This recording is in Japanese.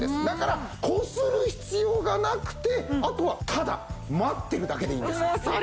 だからこする必要がなくてあとはただ待ってるだけでいいんです。